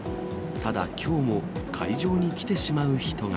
ただ、きょうも会場に来てしまう人が。